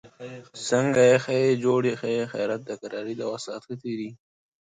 د احمدشاه بابا خدمتونه د ستايني وړ دي.